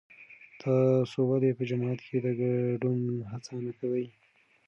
تاسو ولې په جماعت کې د ګډون هڅه نه کوئ؟